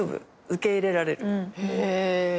受け入れられると思う。